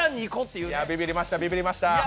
いや、ビビりました、ビビリました。